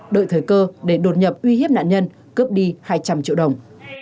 đợi thời cơ để đột nhập uy hiếp nạn nhân cướp đi hai trăm linh triệu đồng